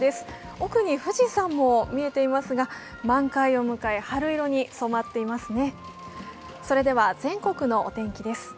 奥に富士山も見えていますが、満開を迎え春色に染まっていますね。